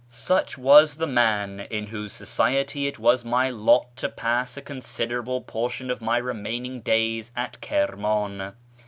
Such was the man in whose society it was my lot to pass a considerable portion of my remaining days at Kirman.